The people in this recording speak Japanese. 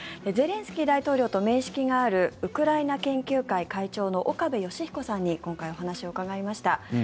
ゼレンスキー大統領と面識があるウクライナ研究会会長の岡部芳彦さんに今回、お話を伺いました。